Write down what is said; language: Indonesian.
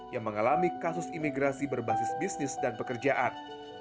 yang mengalami kasus imigrasi berbasis bisnis dan pekerjaan